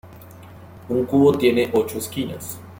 Un cubo tiene ocho esquinas.